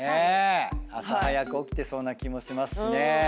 朝早く起きてそうな気もしますしね。